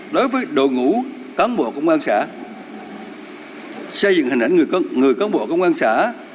đối với đội ngũ cán bộ công an xã xây dựng hình ảnh người cán bộ công an xã